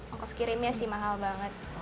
ongkos kirimnya sih mahal banget